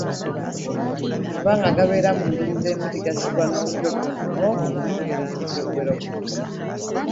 Amabanga agasigala mu nduli z’emiti gazibwa n’obuti obutonotono okusobozesa emiti okubeera okumuukumu.